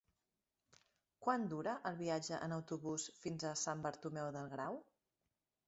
Quant dura el viatge en autobús fins a Sant Bartomeu del Grau?